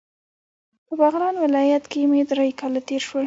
په بغلان ولایت کې مې درې کاله تیر شول.